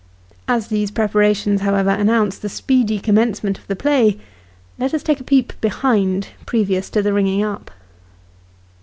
As these preparations, however, announce the speedy commencement of the play, let us take a peep " behind," previous to the ringing up.